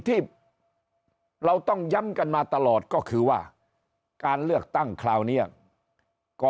ที่เราต้องย้ำกันมาตลอดก็คือว่าการเลือกตั้งคราวนี้ก่อ